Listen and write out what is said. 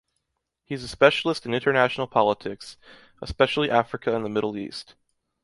He is a specialist in international politics, especially Africa and the Middle East.